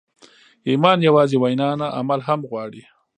ایمان یوازې وینا نه، عمل هم غواړي.